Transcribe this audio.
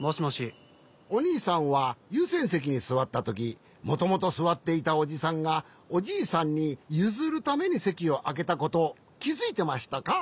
おにいさんはゆうせんせきにすわったときもともとすわっていたおじさんがおじいさんにゆずるためにせきをあけたことをきづいてましたか？